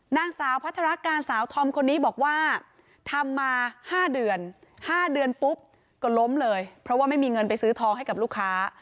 นางสาวพัฒนาการสาวธอมคนนี้บอกว่าทำมา๕เดือน๕เดือนปุ๊บก็ล้มเลยเพราะว่าไม่มีเงินไปซื้อทองให้กับลูกค้า